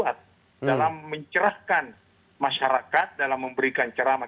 padahal negara harus kuat dalam mencerahkan masyarakat dalam memberikan ceramah